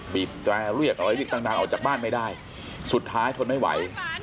บีบแตรเรียกอะไรเรียกต่างออกจากบ้านไม่ได้สุดท้ายทนไม่ไหว